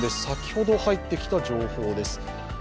先ほど入ってきた情報です。